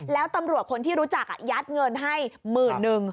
แล้วตำรวจคนที่รู้จักยัดเงินให้หมื่นนึง